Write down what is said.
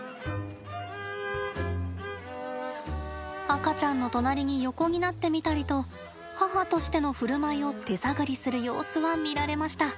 赤ちゃんの隣に横になってみたりと母としてのふるまいを手探りする様子は見られました。